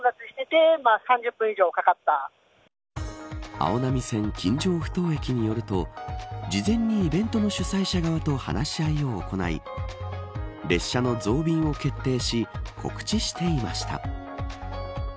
あおなみ線金城ふ頭駅によると事前にイベントの主催者側と話し合いを行い列車の増便を決定し告知していました。